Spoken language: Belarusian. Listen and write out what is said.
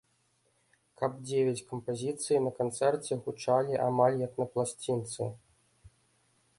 Каб дзевяць кампазіцый на канцэрце гучалі амаль як на пласцінцы.